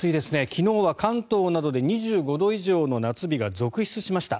昨日は関東などで２５度以上の夏日が続出しました。